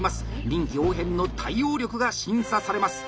臨機応変の対応力が審査されます。